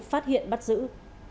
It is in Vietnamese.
phát hiện bắt giữ